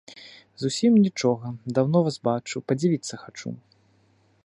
Зусім нічога, даўно вас бачыў, падзівіцца хачу.